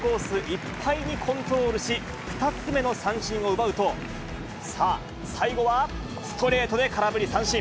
いっぱいにコントロールし、２つ目の三振を奪うと、さあ、最後はストレートで空振り三振。